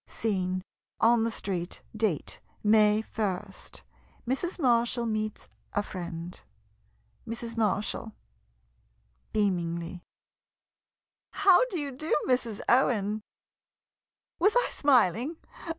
Scene — On the street. Date — May ist. Mrs. Marshall meets a friend. Mrs. Marshall [Beamingly.] How do you do, Mrs. Owen ! Was I smiling?